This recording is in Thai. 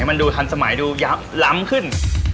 มันดูทันสมัยดูล้ำขึ้น